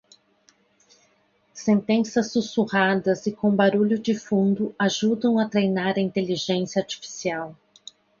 Sentenças sussurradas e com barulho de fundo ajudam a treinar a inteligência artificial